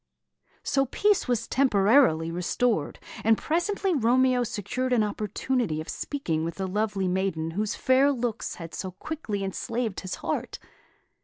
So peace was temporarily restored; and presently Romeo secured an opportunity of speaking with the lovely maiden whose fair looks had so quickly enslaved his heart.